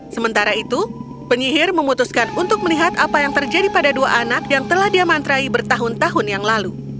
sementara itu penyihir memutuskan untuk melihat apa yang terjadi pada dua anak yang telah dia mantrai bertahun tahun yang lalu